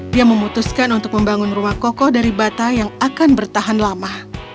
dia memutuskan untuk membangun rumah kokoh dari bata yang akan bertahan lama